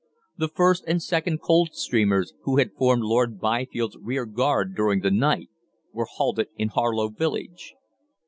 The 1st and 2nd Coldstreamers, who had formed Lord Byfield's rearguard during the night, were halted in Harlow village.